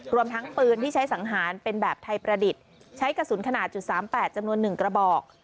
รวมทั้งปืนที่ใช้สังหารเป็นแบบไทยประดิษฐ์ใช้กระสุนขนาด๓๘จำนวน๑กระบอก